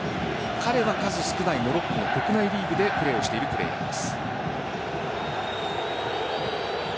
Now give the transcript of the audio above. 彼は数少ないモロッコの国内リーグでプレーをしている選手です。